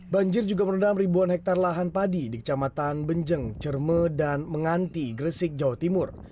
banjir juga merendam ribuan hektare lahan padi di kecamatan benjeng cerme dan menganti gresik jawa timur